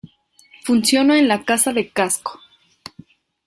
Funciona en la Casa de Casco.